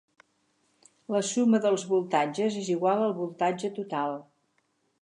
La suma dels voltatges és igual al voltatge total.